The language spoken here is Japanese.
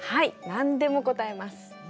何でも答えます！